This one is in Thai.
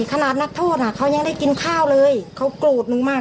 นักโทษอ่ะเขายังได้กินข้าวเลยเขาโกรธหนูมาก